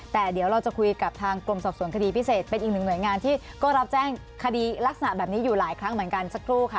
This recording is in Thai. แต่เดี๋ยวเราจะคุยกับทางกรมสอบสวนคดีพิเศษเป็นอีกหนึ่งหน่วยงานที่ก็รับแจ้งคดีลักษณะแบบนี้อยู่หลายครั้งเหมือนกันสักครู่ค่ะ